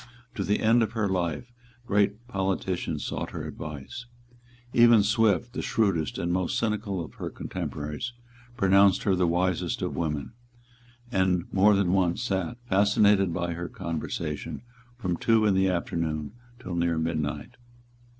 To the end of her life great politicians sought her advice. Even Swift, the shrewdest and most cynical of her contemporaries, pronounced her the wisest of women, and more than once sate, fascinated by her conversation, from two in the afternoon till near midnight.